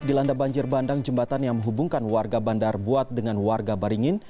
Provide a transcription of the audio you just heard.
dilanda banjir bandang jembatan yang menghubungkan warga bandar buat dengan warga baringin